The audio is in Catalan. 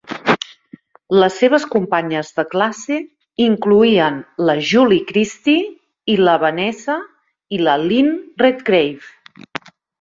Les seves companyes de classe incloïen la Julie Christie i la Vanessa i la Lynn Redgrave.